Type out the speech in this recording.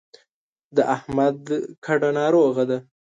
د احمد کډه ناروغه ده.